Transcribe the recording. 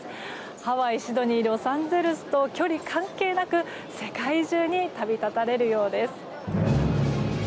ハワイ、シドニーロサンゼルスと距離関係なく世界中に旅立たれるようです。